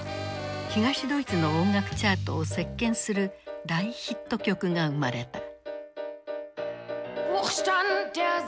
東ドイツの音楽チャートを席巻する大ヒット曲が生まれた。